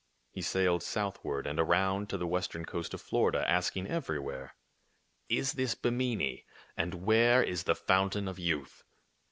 He sailed southward and around to the western coast of Florida, asking everywhere, —" Is this Bimini ? And where is the fountain of youth.?"